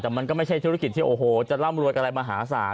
ทำมาก่อนแต่มันก็ไม่ใช่ธุรกิจที่โอ้โหจะร่ำรวดกับอะไรมหาศาล